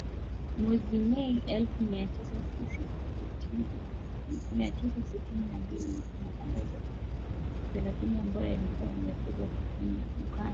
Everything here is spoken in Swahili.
Mwezi Mei elfu mia tisa sitini na mbili kwa matangazo ya dakika thelathini ambayo yalikuwa yamerekodiwa kwenye ukanda.